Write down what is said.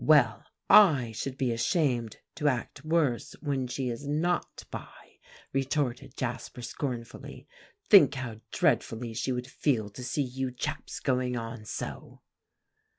"Well, I should be ashamed to act worse when she is not by," retorted Jasper scornfully; "think how dreadfully she would feel to see you chaps going on so."